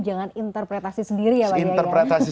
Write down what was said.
jangan interpretasi sendiri ya interpretasi